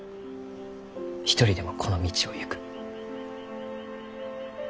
一人でもこの道を行く。